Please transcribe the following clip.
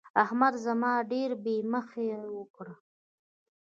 احمد زما ډېره بې مخي وکړه.